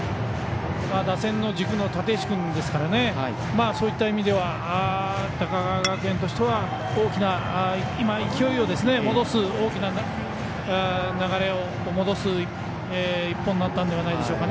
打線の軸の立石君ですからそういった意味では高川学園としては大きな流れを戻す１本になったんじゃないでしょうか。